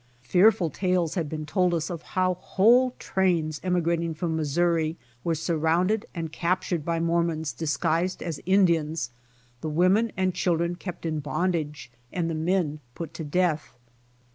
Fearful tales had been told us of how whole trains emigrating from Missouri were sur rounded and captured by Mormons disguised as Indians, the women and children kept in bondage, and the men put to death.